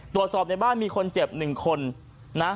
ตรวจสอบในบ้านมีคนเจ็บ๑คนนะ